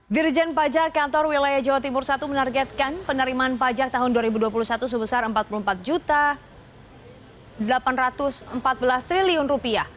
dirjen pajak kantor wilayah jawa timur i menargetkan penerimaan pajak tahun dua ribu dua puluh satu sebesar rp empat puluh empat delapan ratus empat belas triliun